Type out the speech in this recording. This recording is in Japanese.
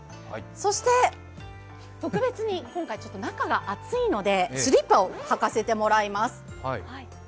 そして、特別に、今回、中が熱いのでスリッパを履かせてもらいます。